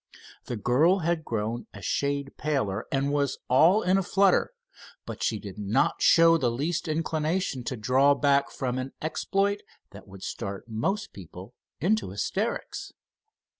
The girl had grown a shade paler and was all in a flutter, but she did not show the least inclination to draw back from an exploit that would start most people into hysterics.